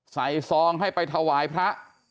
ซองให้ไปถวายพระ